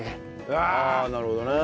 ああなるほどね。